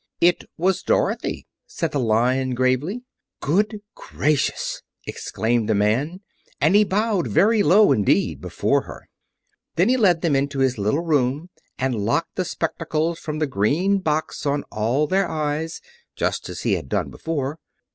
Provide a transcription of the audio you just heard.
"It was Dorothy," said the Lion gravely. "Good gracious!" exclaimed the man, and he bowed very low indeed before her. Then he led them into his little room and locked the spectacles from the great box on all their eyes, just as he had done before.